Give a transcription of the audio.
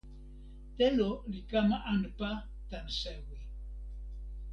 telo li kama anpa tan sewi.